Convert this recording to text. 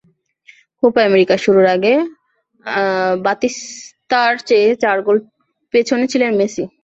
Copa America শুরুর আগে বাতিস্তুতার চেয়ে চার গোল পেছনে ছিলেন মেসি।